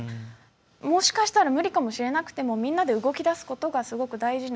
もしかしたら無理かもしれなくてもみんなで動き出すことがすごく大事な。